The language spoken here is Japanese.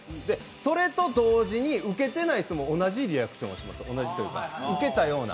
それと同時に受けてない人も同じリアクションをします、受けたような。